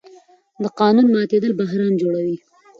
د قانون ماتېدل بحران جوړوي